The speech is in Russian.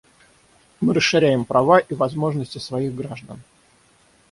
Мы расширяем права и возможности своих граждан.